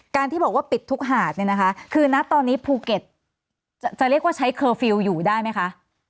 การที่บอกว่าปิดทุกหาดคือนักตอนนี้ภูเก็ตจะเรียกว่าใช้เคอร์ฟิลอยู่ได้ไหมคะ